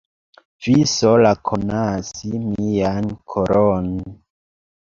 Vi sola konas mian koron.